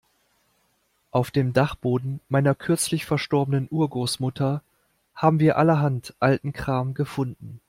Auf dem Dachboden meiner kürzlich verstorbenen Urgroßmutter haben wir allerhand alten Kram gefunden.